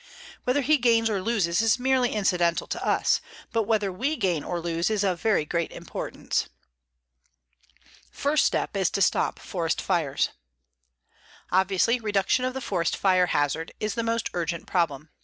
Whether he gains or loses is merely incidental to us, but whether we gain or lose is of very great importance. FIRST STEP IS TO STOP FOREST FIRES Obviously reduction of the forest fire hazard is the most urgent problem.